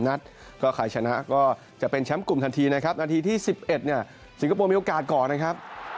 นัดก็ใครชนะก็จะเป็นแชมป์กลุ่มทันทีนะครับนาทีที่๑๑เนี่ยสิงคโปร์มีโอกาสก่อนนะครับ